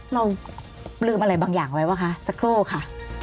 เราลืมอะไรบางอย่างไว้ป่ะคะสักครู่ค่ะ